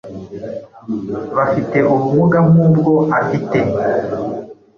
bafite ubumuga nk’ubwo afite,